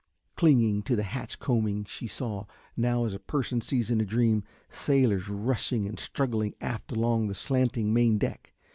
Clinging to the hatch combing she saw, now, as a person sees in a dream, sailors rushing and struggling aft along the slanting main deck.